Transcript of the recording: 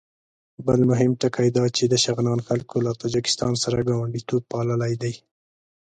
بل مهم ټکی دا چې د شغنان خلکو له تاجکستان سره ګاونډیتوب پاللی دی.